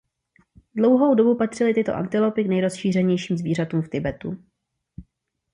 Dlouhou dobu patřily tyto antilopy k nejrozšířenějším zvířatům v Tibetu.